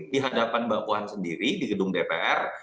di hadapan mbak puan sendiri di gedung dpr